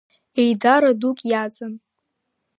Еидара дук иаҵан.